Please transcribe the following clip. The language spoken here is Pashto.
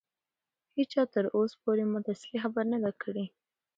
هیچا تر اوسه پورې ماته اصلي خبره نه ده کړې.